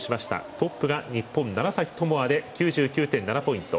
トップが日本、楢崎智亜で９９．７ポイント。